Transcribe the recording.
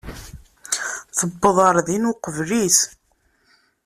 Tuweḍ ɣer din uqbel-is.